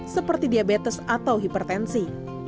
seperti diabetes atau hipertensi